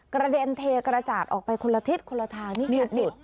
กระเด็นเทกระจาดออกไปคนละทิศคนละทางนิด